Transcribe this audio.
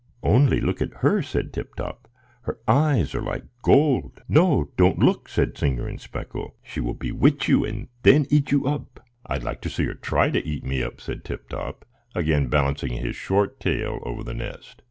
"Only look at her!" said Tip Top; "her eyes are like gold." "No, don't look," said Singer and Speckle. "She will bewitch you, and then eat you up." "I'd like to see her try to eat me up," said Tip Top, again balancing his short tail over the nest.